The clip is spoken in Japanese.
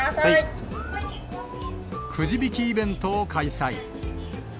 くじ引きイベントを開催。